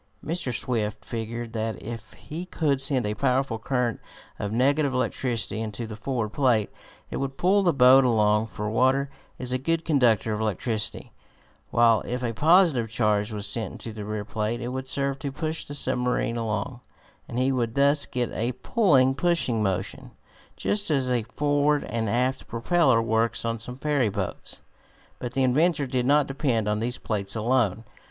Mr. Swift figured out that if he could send a powerful current of negative electricity into the forward plate it would pull the boat along, for water is a good conductor of electricity, while if a positive charge was sent into the rear plate it would serve to push the submarine along, and he would thus get a pulling and pushing motion, just as a forward and aft propeller works on some ferry boats. But the inventor did not depend on these plates alone.